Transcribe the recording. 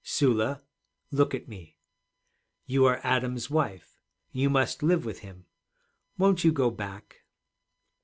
'Sula, look at me. You are Adam's wife. You must live with him. Won't you go back?'